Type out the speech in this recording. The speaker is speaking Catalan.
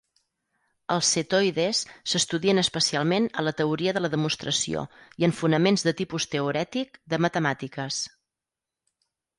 Els setoides s'estudien especialment a la teoria de la demostració i en fonaments de tipus teorètic de matemàtiques.